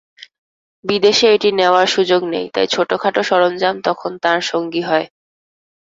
বিদেশে এটি নেওয়ার সুযোগ নেই, তাই ছোটখাটো সরঞ্জাম তখন তাঁর সঙ্গী হয়।